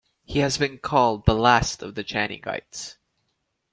He has been called the last of the Canningites.